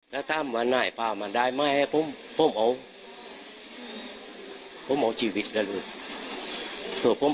เผื่อไอ้ข้าวปล่อยโปร่ม